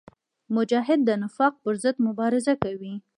مجاهد د نفاق پر ضد مبارزه کوي.